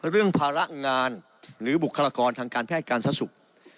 เรื่องภาระงานหรือบุคลากรทางการพหายการสังฆกษ์